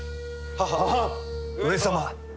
ははっ上様。